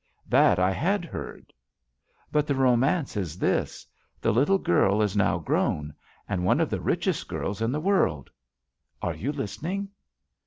"That I had heard." "But the romance is this: the little girl is now grown, and one of the richest girls in the world — are you listening?"